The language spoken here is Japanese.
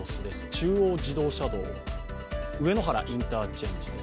中央自動車道・上野原インターチェンジです。